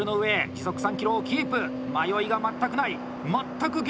時速３ｋｍをキープ迷いが全くない。